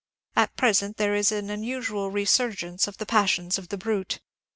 At present there is an unusual resurgence of the passions of the brute.